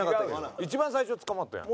一番最初に捕まったやん。